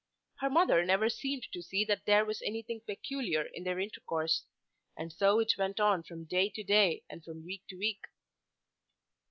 Her mother never seemed to see that there was anything peculiar in their intercourse. And so it went on from day to day and from week to week.